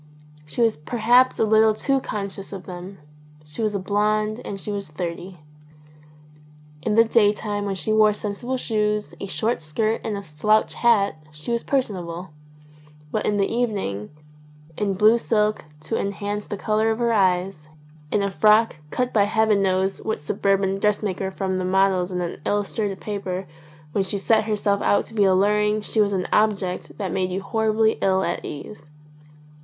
She was perhaps a little too con scious of them. She was a blonde and she was thirty. In the daytime when she wore sensible boots, a short skirt, and a slouch hat, she was personable; but in the evening, in blue silk to enhance the colour of her eyes, in a frock cut by heaven knows what suburban dressmaker from the models in an illustrated paper, when she set herself out to be alluring she was an object that made you horribly ill at ease.